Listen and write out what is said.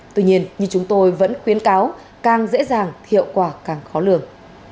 tuy nhiên như chúng tôi vẫn khuyến cáo càng dễ dàng hiệu quả càng khó lường